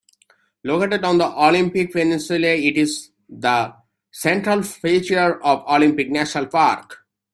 Located on the Olympic Peninsula, it is the central feature of Olympic National Park.